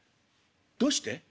「どうして？」。